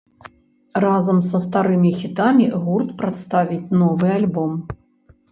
Разам са старымі хітамі гурт прадставіць новы альбом.